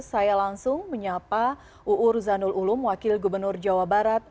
saya langsung menyapa uu ruzanul ulum wakil gubernur jawa barat